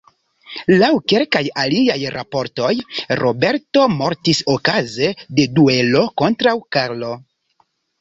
Laŭ kelkaj aliaj raportoj, Roberto mortis okaze de duelo kontraŭ Karlo.